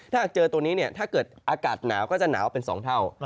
ถ้าหากเจอตัวนี้ถ้าเกิดอากาศหนาวก็จะหนาวเป็น๒เท่า